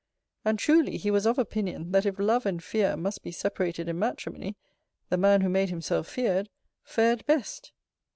And, truly, he was of opinion, that if LOVE and FEAR must be separated in matrimony, the man who made himself feared, fared best.